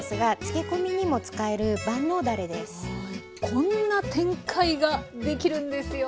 こんな展開ができるんですよ。